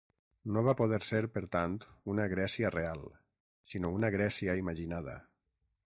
No va poder ser, per tant, una Grècia real, sinó una Grècia imaginada.